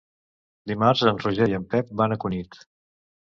Dimarts en Roger i en Pep van a Cunit.